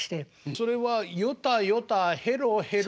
それはヨタヨタヘロヘロ。